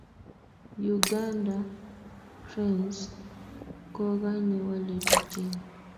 Uganda Cranes kokanye walet ichek